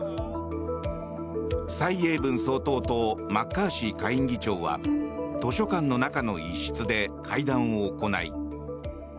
蔡英文総統とマッカーシー下院議長は図書館の中の一室で会談を行い